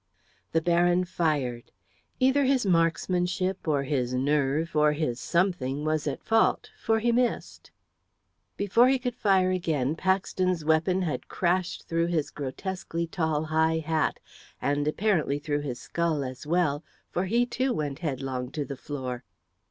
The Baron fired. Either his marksmanship, or his nerve, or his something, was at fault, for he missed. Before he could fire again Paxton's weapon had crashed through his grotesquely tall high hat, and apparently through his skull as well, for he too went headlong to the floor.